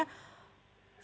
sebetulnya sangat jauh begitu